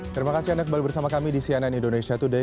terima kasih anda kembali bersama kami di cnn indonesia today